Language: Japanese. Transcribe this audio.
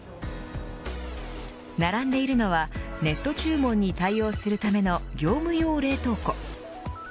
並んでいるのはネット注文に対応するための業務用冷凍庫。